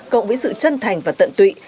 cộng với sự chân thành và tự nhiên